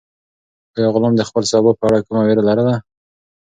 آیا غلام د خپل سبا په اړه کومه وېره لرله؟